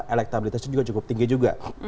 elektabilitas itu juga cukup tinggi juga